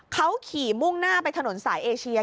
เขาขี่มุ่งหน้าไปถนนสายเอเชีย